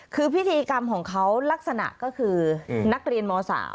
คือพิธีกรรมของเขาลักษณะก็คือนักเรียนม๓